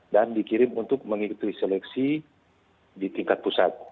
dan dikirim untuk mengikuti seleksi di tingkat pusat